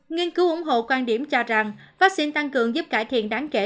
nghiên cứu ủng hộ quan điểm cho rằng vắc xin tăng cường giúp cải thiện đáng kể